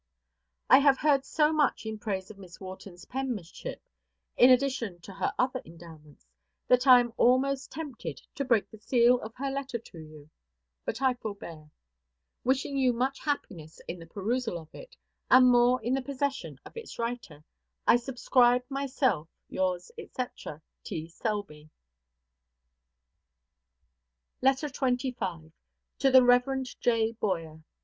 I have heard so much in praise of Miss Wharton's penmanship, in addition to her other endowments, that I am almost tempted to break the seal of her letter to you; but I forbear. Wishing you much happiness in the perusal of it, and more in the possession of its writer, I subscribe myself yours, &c., T. SELBY. LETTER XXV. TO THE REV. J. BOYER.